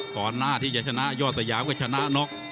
ก่อนหน้าที่จะชนะยอดสยามก็ชนะน็อก